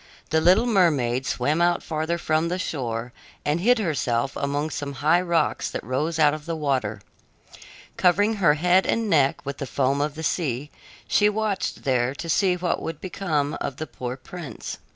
The little mermaid swam out farther from the shore and hid herself among some high rocks that rose out of the water. Covering her head and neck with the foam of the sea, she watched there to see what would become of the poor prince.